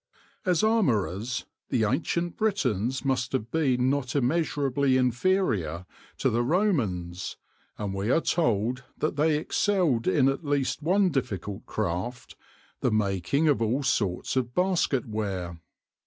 As armourers the ancient Britons must have been not immeasurably inferior to the Romans, and we are told that they excelled in at least one difficult craft, the making of all sorts of basket ware.